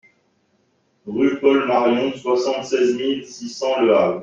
Rue Paul Marion, soixante-seize mille six cents Le Havre